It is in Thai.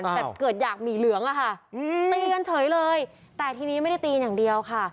แต่เกิดอยากหมี่เหลืองอะค่ะตีกันเฉยเลยแต่ทีนี้ไม่ได้ตีอย่างเดียวค่ะ